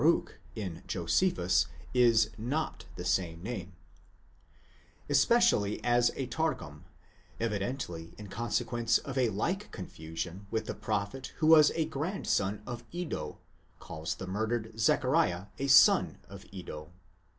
Baruch, in Josephus, is not the same name) ;* especially as a Targum, evidently in consequence of a like confusion with the prophet who was a grandson of Iddo, calls the murdered Zechariah a son of Iddo.